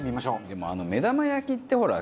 でも目玉焼きってほら。